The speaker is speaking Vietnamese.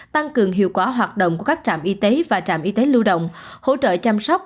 tăng cường hiệu quả hoạt động của các trạm y tế và trạm y tế lưu động hỗ trợ chăm sóc